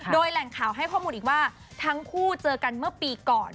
โดยแหล่งข่าวให้ข้อมูลอีกว่าทั้งคู่เจอกันเมื่อปีก่อน